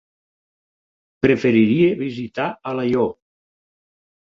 Preferiria visitar Alaior.